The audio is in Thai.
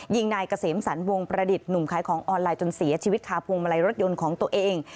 ยิงนายเกษมสรรวงประดิษฐ์หนุ่มขายของออนไลน์จนเสียชีวิตคาพวงมาลัยรถยนต์ของตัวเอง